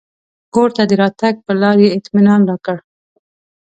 کور ته د راتګ پر لار یې اطمنان راکړ.